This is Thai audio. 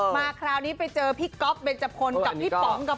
มาคราวนี้ไปเจอพี่ก๊อฟเบนจพลกับพี่ป๋องกับ